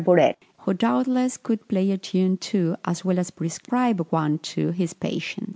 Burette, who doubtless could play a tune to, as well as prescribe one to, his patient.